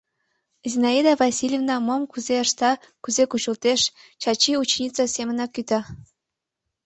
Зинаида Васильевна мом кузе ышта, кузе кучылтеш — Чачи ученица семынак кӱта.